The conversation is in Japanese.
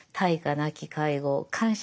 なき介護感謝